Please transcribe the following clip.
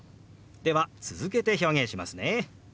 では続けて表現しますね。